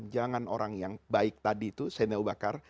jangan orang yang baik tadi itu sayyina abu bakar